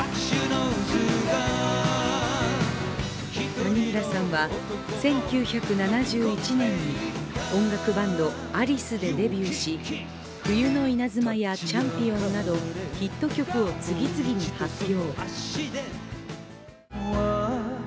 谷村さんは１９７１年に音楽バンド、アリスでデビューし、「冬の稲妻」や「チャンピオン」などヒット曲を次々に発表。